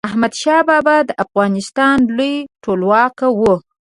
احمد شاه بابا د افغانستان لوی ټولواک و.